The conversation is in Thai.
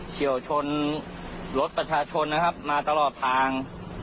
เชี่ยวชนรถประชาชนนะครับมาตลอดทาง